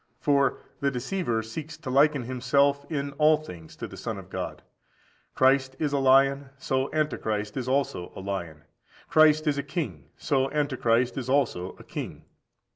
For the deceiver seeks to liken himself in all things to the Son of God. Christ is a lion, so Antichrist is also a lion; Christ is a king,14171417 John xviii. 37. so Antichrist is also a king.